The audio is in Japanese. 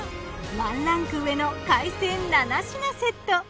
ワンランク上の海鮮７品セット。